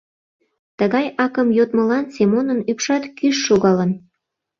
Тыгай акым йодмылан Семонын ӱпшат кӱш шогалын.